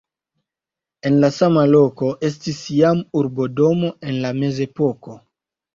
En la sama loko estis jam urbodomo en la mezepoko.